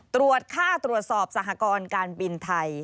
ตรวจค่าตรวจสอบสหกรการบินไทย